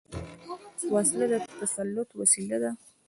وسله د تسلط وسيله ده